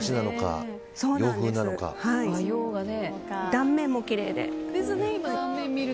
断面もきれいで。